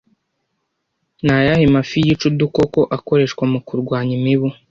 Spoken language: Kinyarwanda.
Ni ayahe mafi yica udukoko akoreshwa mu kurwanya imibu